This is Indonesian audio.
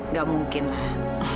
gak mungkin lah